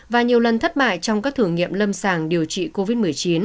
và nhiều lần thất bại trong các thử nghiệm lâm sàng điều trị covid một mươi chín